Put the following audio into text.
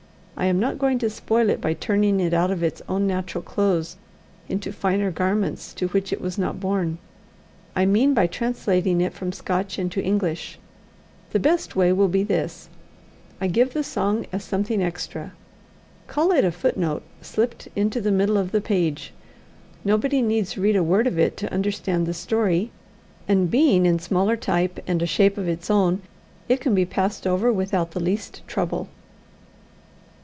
I am not going to spoil it by turning it out of its own natural clothes into finer garments to which it was not born I mean by translating it from Scotch into English. The best way will be this: I give the song as something extra call it a footnote slipped into the middle of the page. Nobody needs read a word of it to understand the story; and being in smaller type and a shape of its own, it can be passed over without the least trouble.